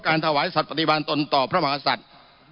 การถวายสัตว์ประติภัณฑ์ตนต่อพระมหาศัตริย์